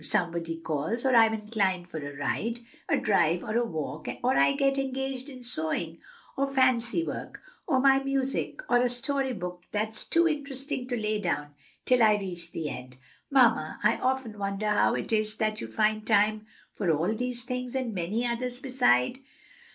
Somebody calls, or I'm inclined for a ride, a drive or a walk, or I get engaged in sewing or fancy work, or my music, or a story book that's too interesting to lay down till I reach the end. Mamma, I often wonder how it is that you find time for all these things and many others beside."